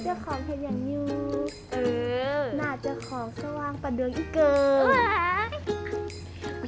หน้าเจ้าของเขียนอย่างนิ้วหน้าเจ้าของสว่างประดังอีกเกินอุ๊ย